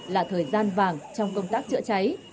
là thời gian vàng trong công tác chữa cháy